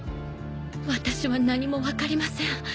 私は何もわかりません。